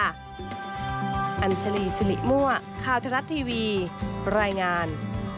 อัญชลีสิริมั่วข่าวทะลัดทีวีรายงาน